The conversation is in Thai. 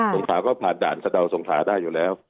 งขาก็ผ่านด่านสะดาวสงขาได้อยู่แล้ว